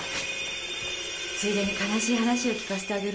ついでに悲しい話を聞かせてあげるわね。